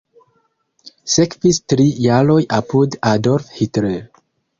Sekvis tri jaroj apud Adolf Hitler.